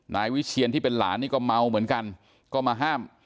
นายวิเชียนที่เป็นหลานนี่ก็เมาเหมือนกันก็มาห้าม